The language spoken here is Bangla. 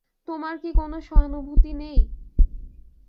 তোমার কি কোনো সহানুভূতি নেই?